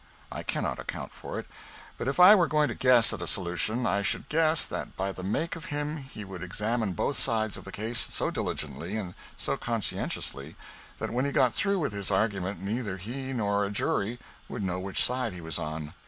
I cannot account for it but if I were going to guess at a solution I should guess that by the make of him he would examine both sides of a case so diligently and so conscientiously that when he got through with his argument neither he nor a jury would know which side he was on.